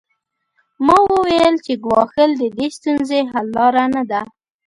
ما وویل چې ګواښل د دې ستونزې حل لاره نه ده